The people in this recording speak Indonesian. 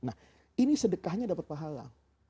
nah ini sedekahnya dapat pahala